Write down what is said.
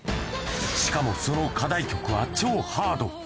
しかもその課題曲は超ハード。